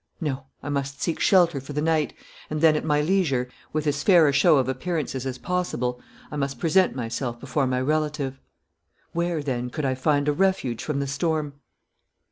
No, I must seek shelter for the night, and then at my leisure, with as fair a show of appearances as possible, I must present myself before my relative. Where then could I find a refuge from the storm?